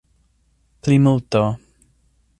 plimulto